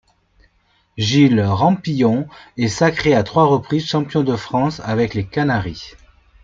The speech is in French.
Gilles Rampillon est sacré à trois reprises champion de France avec les canaris.